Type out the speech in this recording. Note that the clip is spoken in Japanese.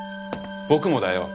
僕もだよ！